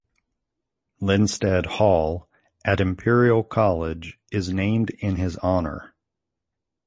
"Linstead Hall" at Imperial College is named in his honour.